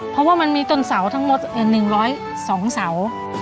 เพราะว่ามันมีต้นเสาทั้งหมด๑๐๒เสา